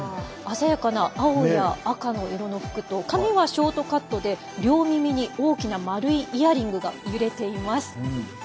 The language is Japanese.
鮮やかな青や赤の色の服と髪はショートカットで両耳に大きな丸いイヤリングが揺れています。